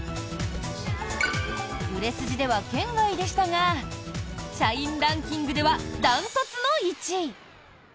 売れ筋では圏外でしたが社員ランキングでは断トツの１位。